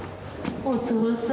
お父さん。